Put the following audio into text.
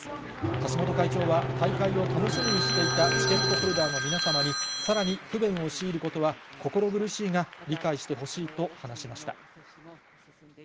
橋本会長は大会を楽しみにしていた、チケットホルダーの皆様に、さらに不便を強いることは心苦しいが、理解してほしいと話しました。